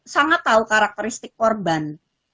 sangat tahu karakteristik korban